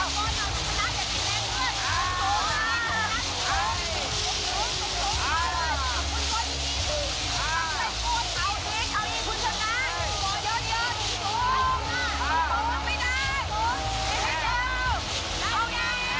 โกยเร็ว